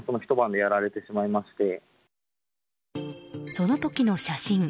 その時の写真。